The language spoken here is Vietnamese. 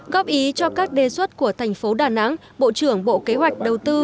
góp ý cho các đề xuất của thành phố đà nẵng bộ trưởng bộ kế hoạch đầu tư